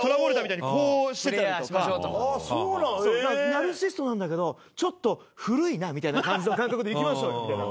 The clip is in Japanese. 「ナルシストなんだけどちょっと古いなみたいな感じの感覚でいきましょうよ」みたいな。